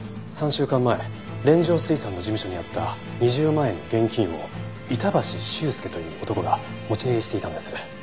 ３週間前連城水産の事務所にあった２０万円の現金を板橋秀介という男が持ち逃げしていたんです。